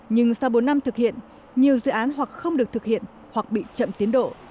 nhưng sau bốn năm thực hiện nhiều dự án hoặc không được thực hiện hoặc bị chậm tiến độ